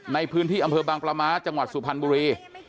ในพื้นที่อำเภอบางปลาม้าจังหวัดสุพรรณบุรี